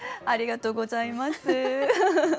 ありがとうございます。